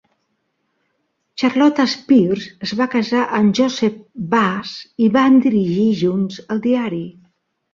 Charlotta Spears es va casar amb Joseph Bass i van dirigir junts el diari.